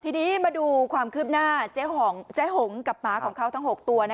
ทีนี้มาดูความคืบหน้าเจ๊งเจ๊หงกับหมาของเขาทั้ง๖ตัว